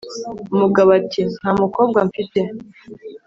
Umugabo ati: "Nta mukobwa mfite,